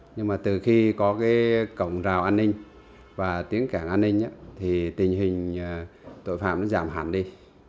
nhưng từ khi có cổng rào an ninh và tiếng cảnh an ninh thì tình hình tội phạm giảm hẳn đi